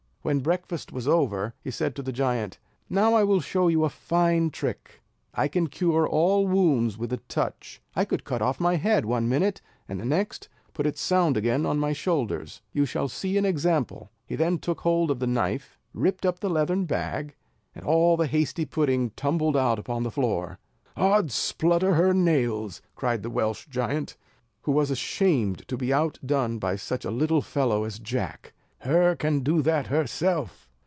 When breakfast was over, he said to the giant: "Now I will show you a fine trick; I can cure all wounds with a touch; I could cut off my head one minute, and the next, put it sound again on my shoulders: you shall see an example." He then took hold of the knife, ripped up the leathern bag, and all the hasty pudding tumbled out upon the floor. "Ods splutter hur nails," cried the Welsh giant, who was ashamed to be outdone by such a little fellow as Jack, "hur can do that hurself."